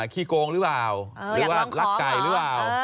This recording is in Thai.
ขี้โกงหรือเปล่าหรือว่ารักไก่หรือเปล่า